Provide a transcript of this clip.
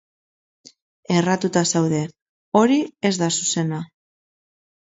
Erratuta zaude, hori ez da zuzena.